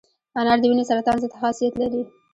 انار د وینې سرطان ضد خاصیت لري.